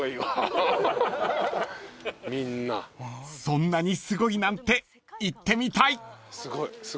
［そんなにすごいなんて行ってみたい！］